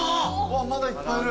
まだいっぱいいる。